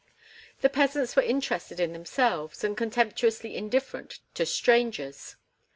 The peasants were interested in themselves and contemptuously indifferent to strangers.